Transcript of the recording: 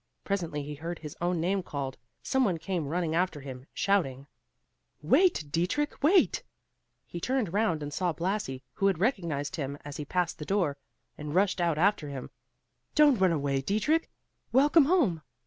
Presently he heard his own name called; some one came running after him, shouting: "Wait, Dietrich, wait!" He turned round and saw Blasi, who had recognized him as he passed the door, and rushed out after him. "Don't run away, Dietrich! Welcome home!